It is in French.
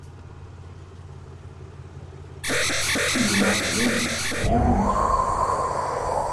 Il ne m'a rien dit, rien voulu dire.